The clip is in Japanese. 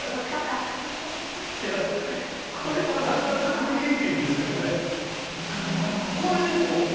いや、これはなかなかクリエーティブですけどね。